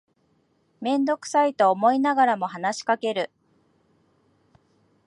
めんどくさいと思いながらも話しかける